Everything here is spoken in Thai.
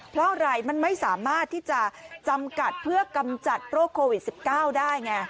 เพราะอะไรมันไม่สามารถที่จะจำกัดเพื่อกำจัดโรคโควิด๑๙ได้ไง